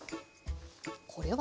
これは？